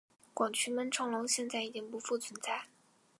广渠门城楼现在已经不复存在。